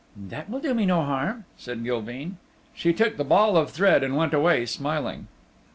"That will do me no harm," said Gilveen. She took the ball of thread and went away smiling.